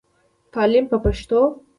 تعليم په پښتو.